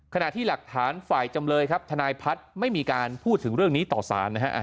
ขณะที่หลักฐานฝ่ายจำเลยครับทนายพัฒน์ไม่มีการพูดถึงเรื่องนี้ต่อสารนะฮะ